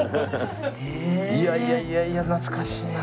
いやいやいやいや懐かしいな。